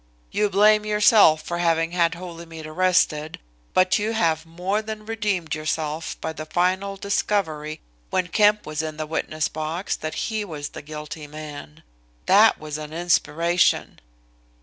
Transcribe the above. "You blame yourself for having had Holymead arrested but you have more than redeemed yourself by the final discovery when Kemp was in the witness box that he was the guilty man. That was an inspiration."